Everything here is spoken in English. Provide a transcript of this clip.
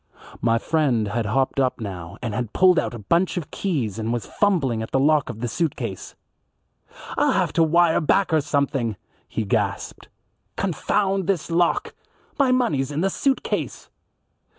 My friend had hopped up now and had pulled out a bunch of keys and was fumbling at the lock of the suit case. "I'll have to wire back or something," he gasped. "Confound this lock my money's in the suit case."